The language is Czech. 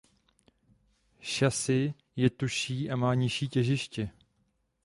Šasi je tužší a má nižší těžiště.